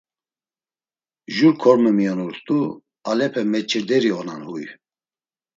“Jur korme miyonurt̆u, alepe meç̌irderi onan huy.”